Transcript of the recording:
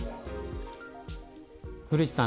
古市さん